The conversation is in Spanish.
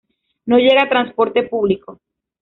No llega transporte público.